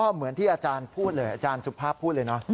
เหมือนที่อาจารย์สุภาพพูดเลย